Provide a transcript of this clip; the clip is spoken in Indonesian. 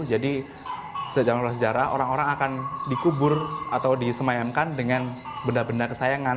sejak zaman prasejarah orang orang akan dikubur atau disemayamkan dengan benda benda kesayangan